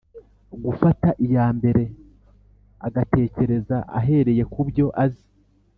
gufata iya mbere agatekereza ahereye ku byo azi,